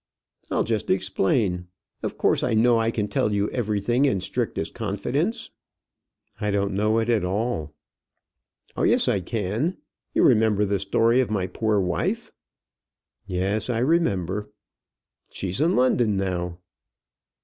"I'll just explain. Of course I know that I can tell you everything in strictest confidence." "I don't know it at all." "Oh yes; I can. You remember the story of my poor wife?" "Yes; I remember." "She's in London now."